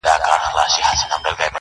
پټیږي که امي دی که مُلا په کرنتین کي،